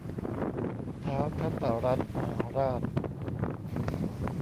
ท้าวธตรัฐมหาราช